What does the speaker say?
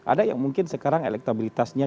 ada yang mungkin sekarang elektabilitasnya